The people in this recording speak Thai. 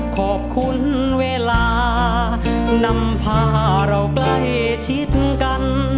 ขอบคุณเวลานำพาเราใกล้ชิดกัน